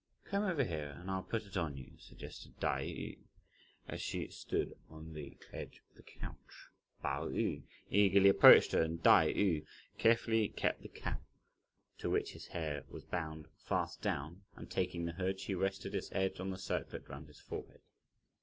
"Come over here, and I'll put it on for you," suggested Tai yü, as she stood on the edge of the couch. Pao yü eagerly approached her, and Tai yü carefully kept the cap, to which his hair was bound, fast down, and taking the hood she rested its edge on the circlet round his forehead.